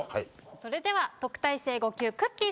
それでは特待生５級くっきー！